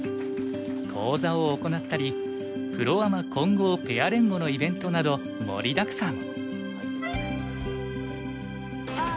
講座を行ったりプロ・アマ混合ペア連碁のイベントなど盛りだくさん。